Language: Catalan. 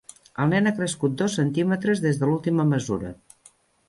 El nen ha crescut dos centímetres des de l'última mesura.